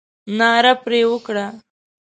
ناره پر وکړه.